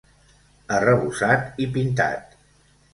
Arrebossat i pintat.